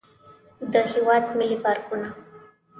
د هېواد ملي پارکونه.